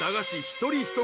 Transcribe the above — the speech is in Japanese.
一人一籠。